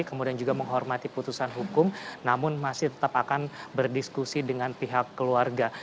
kemudian juga menghormati putusan hukum namun masih tetap akan berdiskusi dengan pihak keluarga